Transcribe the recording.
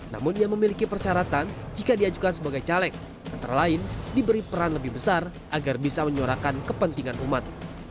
namun ia memiliki persyaratan jika diajukan sebagai caleg antara lain diberi peran lebih besar agar bisa menyuarakan kepentingan umat